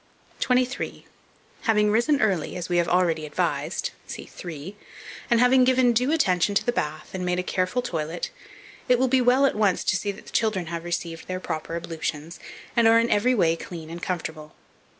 23. HAVING RISEN EARLY, as we have already advised (see 3), and having given due attention to the bath, and made a careful toilet, it will be well at once to see that the children have received their proper ablutions, and are in every way clean and comfortable.